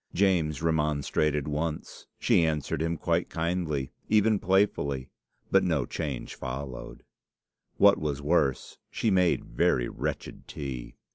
James remonstrated once. She answered him quite kindly, even playfully, but no change followed. What was worse, she made very wretched tea.